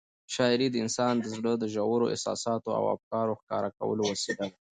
شاعري د انسان د زړه د ژورو احساساتو او افکارو ښکاره کولو وسیله ده.